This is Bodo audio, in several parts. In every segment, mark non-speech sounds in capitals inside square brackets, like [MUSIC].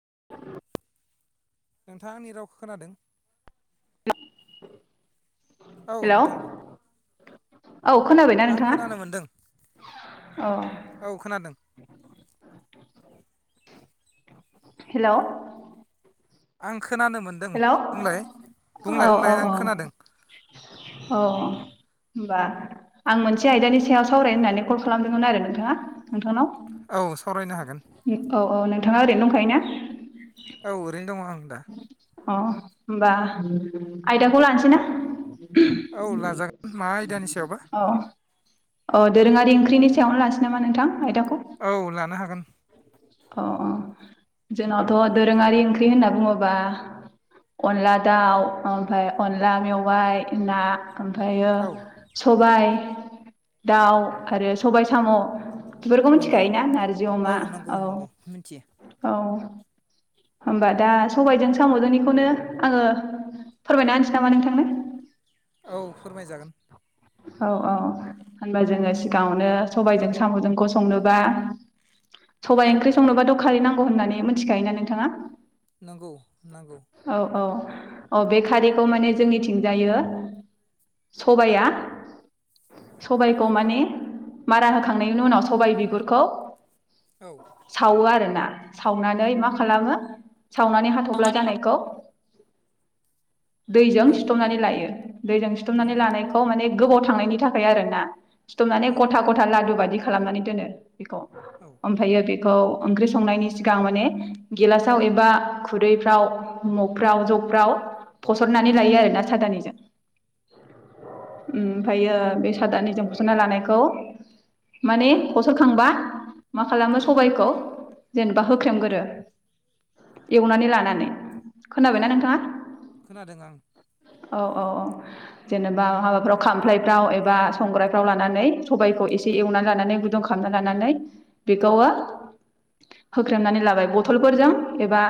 [UNINTELLIGIBLE] नोंथाङा आंनि रावखो खोनादों? औ हेलौ नोंथां। औ खोनाबायना आं नोंथाङा खोनानो मोनदों औ औ खोनादों हेलौ आं खोनानो मोनदों हेलौ औ बुंलाय बुंलाय औ बुंलाय आं औ खोनादों। होमबा आं मोनसे आयदानि सायाव सावरायनो होननानै कल खालामदोंमोन आरो नोंथाङा नोंथांनाव‌। औ सावरायनो हागोन। थाङा ओरैनो दंखायोना? औ ओरैनो दं‌ आं। दा अ' होमबा आयदाखौ लानोसै ना? औ लाजागोन मा आयदानि सायावबा? अ' दोरोङारि ओंख्रिनि सायावनो लासै नामा नोंथां आयदाख औ लानो हागोन। अ' अ' जोंनावथ दोरोङारि ओंख्रि होनना बुङोबा अनला दाउ ओमफाय अनला मेववाइ ना ओमफायो औ सबाय दाउ आरो सबाय, साम' बिफोरखौ मिथिखायोना नारजि अमा बुं औ नंगौ मिनथियो। औ होमबा दा सबायजों सामजोंनिखौनो आङो फोरमायना होनसै नामा नोंथांनो। औ फोरमायजागोन। औ औ होनबा जोङो सिगाङावनो सबायजों सामजोंखौ संनोबा औ सबाय ओंख्रि संनोबा थ' खारै नांगौ होननानै मिथिखायोना नोंथाङा? नंगौ नंगौ अ' बे खारैखौ माने जोंनिथिं जायो सबाया सबायखौ माने मारा होखांनायनि उनाव सबाय बिगुरखौ औ सावो आरो। ना सावनानै मा खालामो सावनानै हाथबप्ला जानायखौ दैजों औ सिथमनानै लायो। दैजों सिथुमनानै नंगौ लानायखौ माने गोबाव थांनायनि थाखाय आरो ना। सिथुमनानै औ खथा खथा लादु बादि खालामनानै दोनो बेखौ औ ओमफायो बे खौ ओंख्रि संनायनि सिगां माने गेलासाव एबा खुरैफ्राव मगफ्राव जगफ्राव फसरनानै औ लायो आरो ना साादानिजों उ ओमफायो बे सादानि जों फसनना लानायखौ माने फसरखांबा मा खालामो औ सबायखौ जेनेबा होख्रेमगोरो एवनानै लानानै औ खोनाबायना नोंथाङा खोनादों आं औ औ औ जेनेबा हाबाफ्राव खामफ्लायफ्राव एबा संगायफ्राव लानानै सबायखौ एसे एवनानै लानानै गुदुं खालामना लानानै बेखौयो होख्रेमनानै लाबाय बथलफोरजों एबा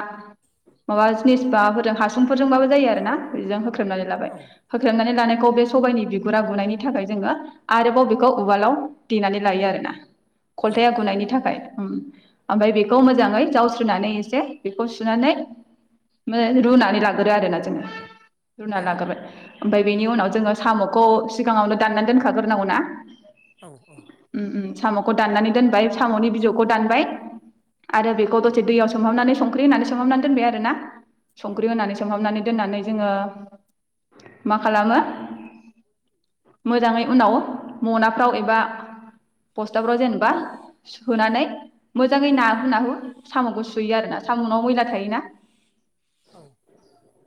माबा जिनिस माबाफोरजों हासुं फोरजों जायो आरोना जिजों होख्रेमनानै लाबाय औ होख्रेमनानै लानो खौ बे सबायनि बिगुर गुरा गुनायनि थाखाय जोङो आरोबाव बेखौ उवालाव देनानै लायो आरो ना औ खलथाया गुनायनि थाखाय उम ओमफ्राय बेखौ मोजाङै जावस्रिनानै एसे बेखौ सुनानै रुनानै लाग्रो आरोना जोङो औ रुना लागोरबाय ओमफाय बेनि उनाव जोङो साम' खौ सिगाङावनो दाननानै दोनखाग्रोनांगौ ना औ औ उम उम साम'खौ दाननानै दोनबाय साम'नि बिजौखौ दानबाय आरो बेखौ दसे दैयाव सोमहाबनानै सं ख्रि होननानै सोमहाबनानै दोनबाय आरो ना संख्रि होनानै सोंहाबनानै दोन्नानै जोङो मा खालामो मोजाङै उनाव मनाफ्राव एबा बस्थाफ्राव जेनेबा सोनानै मोजाङै नाहु नाहु साम'खौ सुयो आरो ना साम' नाव मैला थायोना औ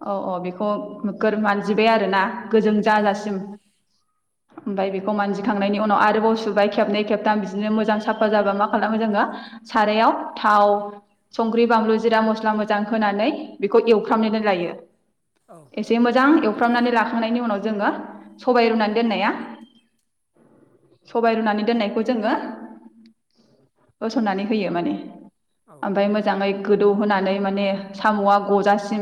औ औ बेखौ नोगोर मानजिबाय आरोना गोजों जाजासिम ओमफ्राय बेखौ मानजिखांनायनि उनाव आरोबाव सुबाय खेबनै खेबथाम बिदिनो मोजां साफा जाबा मा खालामो जोङो सारायाव थाव संख्रि बानलु जिरा मस्ला मोजां होनानै बेखौ एवफ्रामनानै लायो। औ एसे मोजां एव फ्रामनानै लाखांनायनि उनाव जोङो सबाइ रुनानै दोननाया सबाय रुनानै दोननायखौ जोङो होसननानै होयो माने औ ओमफाय मोजाङै गोदौ होनानै माने साम'आ गजासिम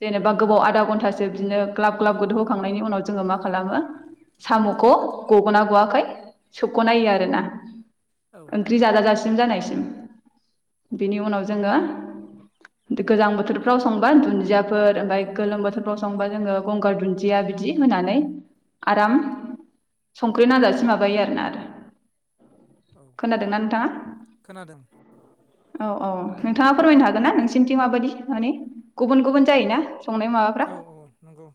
जेनेबा गोबाव आदा घन्टासो बिदिनो ग्लाब ग्लाब गोदौ होखांनायनि उनाव जोङो मा खालामो साम'खौ गग'ना गवाखै सोबख'नायो आरोना औ ओंख्रि जाजा जा सिम जानायसिम बिनि उनाव जोङो गोजां बोथोरफ्राव संबा दुन्दियाफोर ओमफ्राय गोलोम बोथोरफ्राव संबा जोङो गंगार दुन्दिया बिदि होनानै आराम संख्रि नांजासे माबायो आरोना आरो। औ खोनादोंना नोंथाङा खोनादों औ औ नोंथाङा फोरमायनो हागोन ना नोंसिोरनिथिं माबायदि माने गुबुन गुबुन जायोना संनाय माबाफ्रा औ औ नंगौ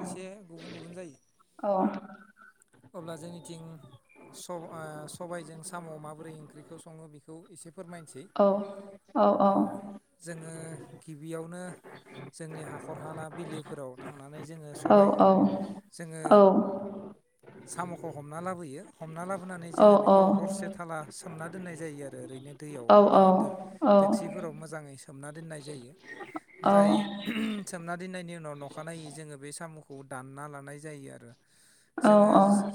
एसे गुब अ अब्ला जोंनिथिं सबायजों साम माबोरै ओंख्रिखौ सङो बेखौ एसे फोरमायनोसै औ औ अ जोङो बेयावनो जोंनि हाखर हाला बिलोफोराव थांनानै जोङो औ सबबाय औ जोङो सामखौ हमना लाबोयो हमना ला बोनानै जोङो बेखौ हरसे थाला सोमना दोननाय जायो आरो ओरैनो दैयाव बा दोखसिफोराव मोजाङै सोमना दोननाय जायो जाय सोमना दोननायनि उनाव उनाव अखानायै जोङो बे सामखौ दानना लानाय जायो आरो। औ जोङो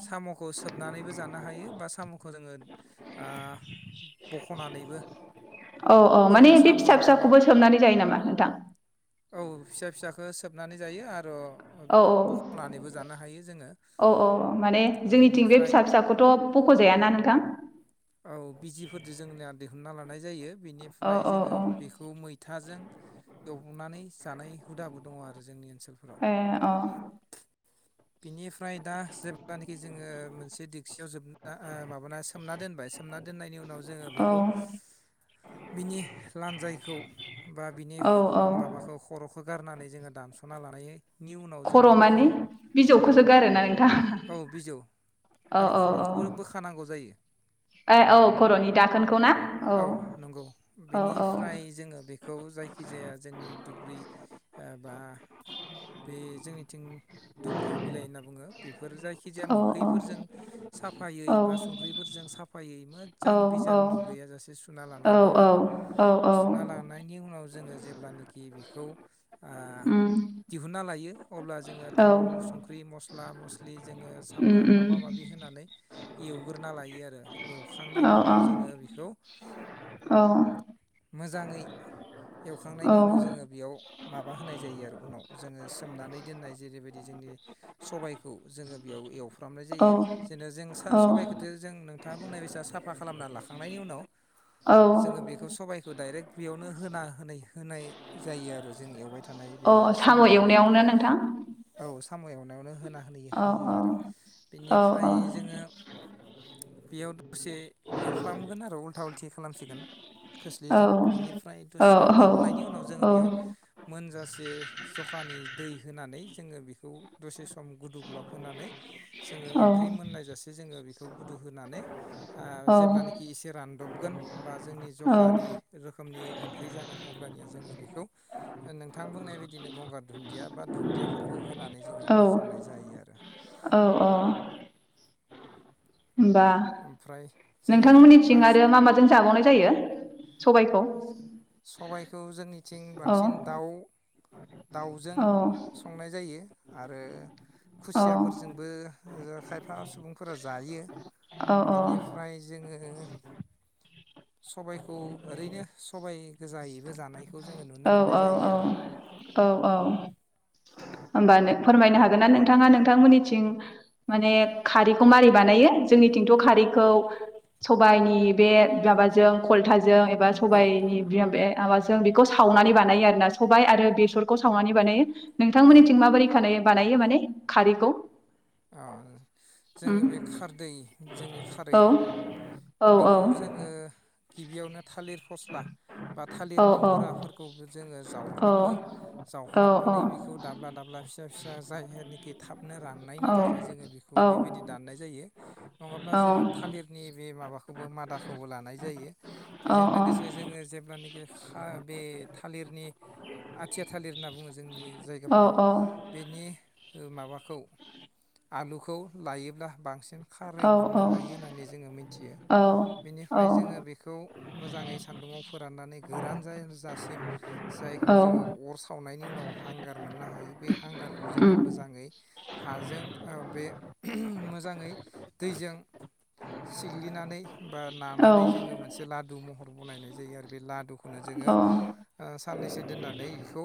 सामखौ सोबनानैबो जानो हायो बा सामखौ बखनानै औ औ जों माने बे साम फिसा एन्थाल फिसाखौबो सोमनानै जायो नामा नोंथां औ फिसा फिसखो सोबनानै जायो आरो। औ बखनानैबो जानो हायो जोङो। औ औ माने जोंनिथिं बे बिनिफ्राय फिसा फिसाखौथ बखजायाना नोंथां औ बिजिफोरजों जोंनिया सना लानाय जायो औ बेनिफ्राय औ जोङो औ बेखौ मैथाजों एवबनानै जानाय हुदाबो दङ आरो जोंनि ओनसोलफोराव ए अ बिनिफ्राय दा जेब्लानाखि जोङो मोनसे दिगसियाव जोब माबाना सोमना दोनबाय सोमना दोननायनि उनाव जोङो बिखौ औ बिनि लान्जायखौ बा बिनि औ औ माबाखौ खरखौ गारनानै जोङो दानस ना लानाय नि उनाव जोङो बेखौ गारा नोंथां औ बिजौ औ आरो खर'खौबो बोखानांगौ जायो औ खरनि दाखोनखौना औ नंगौ बेनिफ्राय जोङो बेखौ जायखि जाया जोंनि दुब्रि [INAUDIBLE] बा बे जोंनिथिं दुमब्रु बिलाइ होनना बुङो बेफोर जायखि जाया औ मोखैफोरजों औ साफायै बा संख्रिफोरजों साफायै मोजां बिजाल नुुब गैया जासे सुना लानांगौ औ आरो औ औ सुना लानायनि उनाव जोङो जेब्लानिखि बेखौ ओ उम दिहुन्ना लायो अब्ला जोङो औ थाव संख्रि मस्ला ला मसलिन जोङो उम सामब्राम उम माबा माबि होनानै एवग्रोना लायो आरो औ सुखांनायनि उनाव जोङो बेखौ गौ औ मोजाङै एवखांनायनि उनाव जोङो बेयाव माबा होनाय जायो आरो उनाव जोङो सोमनानै दोननाय जेरैबायदि जोंनि सबाइखौ जोङो बेयाव एवफ्रामनाय जायो जेनेनो जों औ सबाइखौथ जों नोंथाङा बुंनाय बायदि साफा खालामना लाखायो नायनि उनाव औ जोङो बेखौ सबाय डाइरेक्ट बेयावनो होना होनाय होनाय जायो आरो जों एवबाय थानाय बे अ साम साम'आवनो एवनायावनो नोंथां औ साम एवनायाव नों होना होनाय औ होयोआरो औ बेनिफ्राय जोङो बेयाव दसे एवफ खालामगोन आरो उल्था उल्थि खालामसिगोन खोस्लिजों बिनिफ्राय औ दसे एवनायनि उनाव जोङो औ बेयाव मोनजासे जखानि दै होनानै जोङो बेखौ दसे खम गुदौ गुलाब होनानै जोङो औ ओंख्रि मोननाय जासे जोङो बेखौ गुदौ होनानै ओ जेब्लानि खि एसे रानदबगोन बा जोंनि जखानि औ रोखोमनि ओंख्रि जागोन अब्लानिया जोङो बेखौ ओ नोंथां बुंनाय बायदिनो गंगार दुन्दिया बा दुन्दियाफोरखौ होनानै जोङो बोखांनाय जायो आरो औ औ होमबा ओमफ्राय जोङो नोंथांमोननिथिं बांसिन आरो मा माजों जाबावनाय जायो सबायखौ सबायखौ जोंनिथिं औ बांसिन दाउ दाउजों औ संनाय जायो आरो औ खुसियाफोरजोंबो खायफा सुबुंफोरा जायो यो औ बिनिफ्राय जोङो सबायखौ ओरैनो सबाय गोजायैबो जानायखौ जोङो नुनो औ मोननाय जायो आरो होमबानो फोरमायनो हागोन ना नोंथाङा नोंथांमोननिथिं माने खारैखौ मारै बानायो जोंनिथिंथ खारैखौ सबायाइनि बे माबाजों खलथाजों एबा औ सबायाइनि [UNINTELLIGIBLE] माबा जों बेखौ सावनानै बानायो आरोना सबायाइ आरो बेसरखौ सावनानै बानायो औ नोंथांमोननिथिं माबोरै खालायो बानायो माने खारैखौ ओ जोङो उम बे खारदै जोंनि खारै औ औ औ बेखौ जोङो गिबियावनो थालिर फस्ला बा औ थालिरनि औ मुराफोरखौबो जोङो औ औ जावख्लाबबो औ औ जावख्लाबनानै बेखौ दाब्ला दाब्ला फिसा फिसा जायनाखि थाबनो राननायनि थाखाय जोङो बेखौ बेबायदि दान्नाय जायो नङाब्ला जोङो थालिरनि बे माबाखौबो मादाखौबो लानाय जायो बेजों। लोगोसे जोङो जेब्लानाखि खा‌ बे थालिरनि आथिया थालिर होनना बुङो जोंनि जायगाफोराव बेनि ओ माबाखौ [INAUDIBLE] आलुखौ लायोब्ला बांसि सिन खारै मोननो हायो होननानै जोङो मिथियो बेनिफ्राय जोङो बेखौ मोजाङै सान्दुंङाव फोराननानै गोरान जा जासिम जायखौ जोङो अर सावनाय‌ नि उनाव हांगोन मोननो हायो बे हांगारखौ जोङो मोजाङै हाजों बे मोजाङै दैजों सिग्लिनानै बा नानानै जोङो मोनसे लादु महर बनायनाय जायो आरो बे लादुखौनो जोङो साननैसो दोननानै इखौ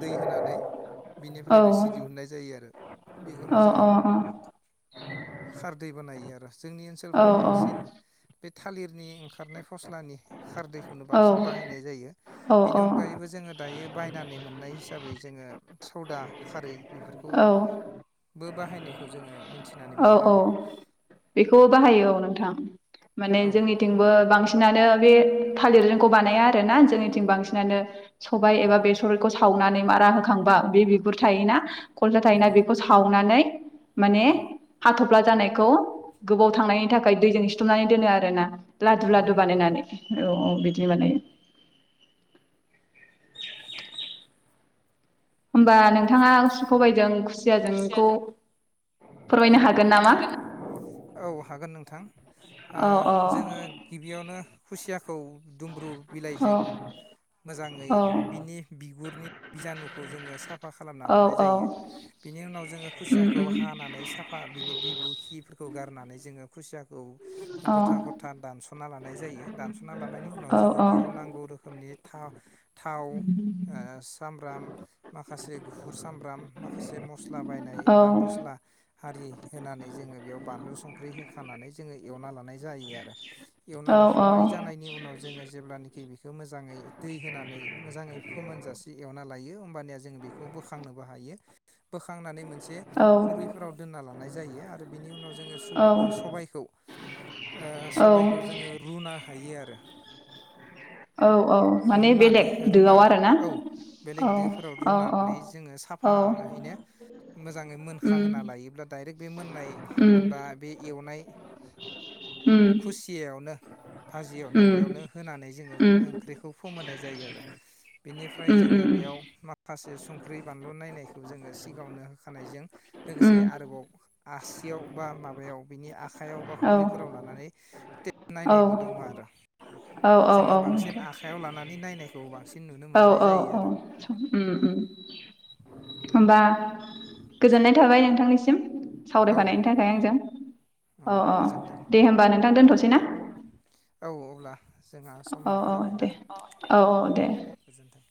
दै होनानै बिनिफ्राय रोसि सि दिहुननाय जायो आरो। बेखौनो जोङो खारदै बानायनायो आरो जोंनि ओनसोलफोराव बांसिन थालिरनि ओंखारनाय फस्लानि खारदैखौनो बांसिन बाहायनाय जायो अ बेनि औ औ औ अनगायैबो जोङो दायो बायनानै मोननाय हिसाबै जोङो। सौवदा खारै बेफोरखौ औ बो बाहायनायखौ जोङो मिथ औ औ बेखौबो बाहायो औ नोंथां। माने औ जोंनिथिंबो बांसिनानो बे थालिरजोंखौ बानाया आरो ना जोंनिथिं बांसिनानो सबाय औ एबा बेसरखौ स सावनानै मारा होखांबा बे बिगुर थायोना खलथा थायोना नंगौ बेखौ सावनानै माने औ हाथफ्ला जानायखौ गोबाव थांनायनि थाखाय दैजों सिथमनानै दोनो आरो ना लादु औ लादु नंगौ बानायनानै औ औ बेदि। बिदि माने। होमबा नोंथाङा सुखबायदों औ फोरमायनो हागोन नामा औ हागोन नोंथां। ओ औ औ जोङो गिबियावनो खुसिया खौ दुमब्रु औ बिलाइजों मोजाङै औ बिनि बिगुरनि बिजानुखौ जोङो फा खालामना औ लानाय औ जायो। बिनि उनाव जोङो उम खुसियाखौ उम हानानै साफा बिनि बिबु खि खौ गारनानै जोङो खुसिया खौ गथा औ गथा दानसना लानाय जायो। दानसना लानायनि औ उनाव जोङो बेयाव नांगौ रोखोमनि था थाव ओ सामब्राम माखासे गुफुर सामब्राम मा खासे मस् ला बायनाय औ बा मस्ला हारि होनानै जोङो बेयाव बानलु संख्रि होखानानै जोङो एवना लानाय जायो आरो। एवना लाखांनाय जानायनि उनाव जोङो जेब्लानि बिखौ मो जाङै दै होनानै मोजाङै फोमोन जासे एवना लायो होमबानिया जों बेखौ बोखांनोबो हायो। बोखांनानै मोनसे औ खुरैफोराव दोनना लानाय जायो आरो बिनि उनाव जोङो सुब ओ सबाइखौ ओ औ सबायखौ जोङो रुनो हायो आरो। औ औ माने रुनानै बेलेग दोयाव रुनानै आरोना औ बेलेग औ औ औ औ। यैनो मोजाङै मोनखा उम होना लायोब्ला दाइरेक बे मोननाय उम बा बे एवनाय उम खुसियावनो भाजियावनो उम बेयावनो होनानै जोङो उम ओंख्रिखौ फोमोननाय जायो आरो। बिनिफ्राय उम जोङो उम बेयाव माखासे संख्रि बानलु नायनाय खौ जोङो सिगावनो होखानायजों लोगोसे उम आरोबाव आसियाव बा माबायाव बिनि आ खायाव बा औ खुरैफोराव लानानै [UNINTELLIGIBLE] औ नायनायबो दङ आरो। औ जोङो बांसिन आखायाव लानानै नायनाय खौ बांसिन नुनो औ मोननाय औ जायो औ उम आरो उम होमबा गोजोननाय थाबाय नोंथांनिसिम औ सावरायफानायनि थाखाय आंजों अ अ गोजोन्थों दे होमबा नोंथां दोनथसै ना औ अब्ला जोंहा औ समाबो औ जाबायना दे अ औ औ दे।